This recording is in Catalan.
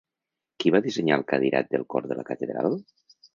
Qui va dissenyar el cadirat del cor de la catedral?